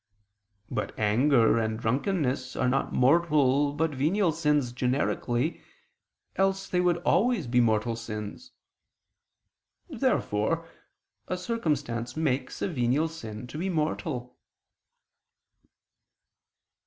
But anger and drunkenness are not mortal but venial sins generically, else they would always be mortal sins. Therefore a circumstance makes a venial sin to be mortal.